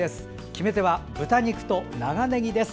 決め手は豚肉と長ねぎです。